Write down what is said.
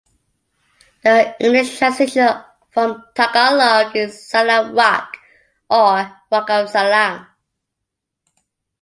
The English translation from Tagalog is "Salang Rock" or "Rock of Salang.